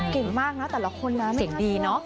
เก่งมากนะแต่ละคนนะเสียงดีเนอะ